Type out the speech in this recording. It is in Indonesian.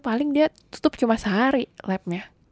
paling dia tutup cuma sehari labnya